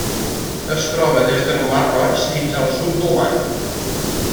Es troba des del Mar Roig fins al sud d'Oman.